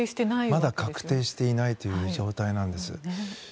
まだ確定していないという状態なんです。